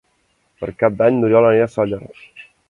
Per Cap d'Any n'Oriol anirà a Sóller.